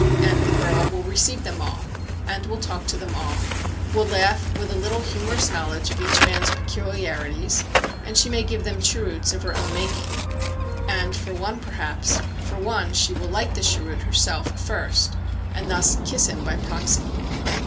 And the girl will receive them all, and will talk to them all; will laugh with a little humorous knowledge of each man's peculiarities; and she may give them cheroots, of her own making; and, for one perhaps, for one, she will light the cheroot herself first, and thus kiss him by proxy.